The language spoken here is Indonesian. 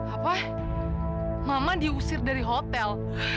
apa mama diusir dari hotel